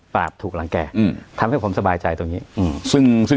ถูกหลังแก่อืมทำให้ผมสบายใจตรงนี้อืมซึ่งซึ่ง